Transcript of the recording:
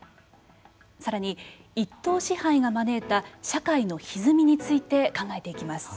さらに一党支配が招いた社会のひずみについて考えていきます。